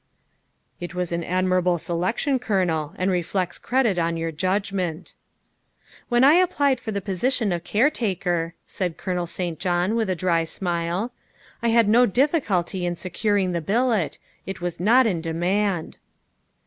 " It was an admirable selection, Colonel, and reflects credit on your judgment. ''" When I applied for the position of caretaker," said Colonel St. John with a dry smile, " I had no difficulty in securing the billet ; it was not in demand.